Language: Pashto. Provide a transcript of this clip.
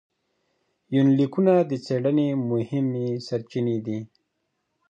يونليکونه د څېړنې مهمې سرچينې دي.